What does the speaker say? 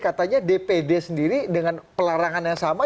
katanya dpd sendiri dengan pelarangan yang sama